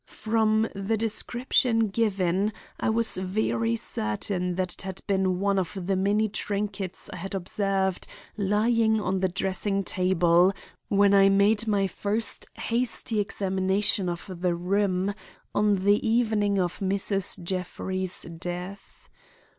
From the description given I was very certain that it had been one of the many trinkets I had observed lying on the dressing table when I made my first hasty examination of the room on the evening of Mrs. Jeffrey's death.